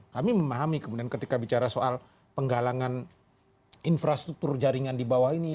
kami memahami kemudian ketika bicara soal penggalangan infrastruktur jaringan di bawah ini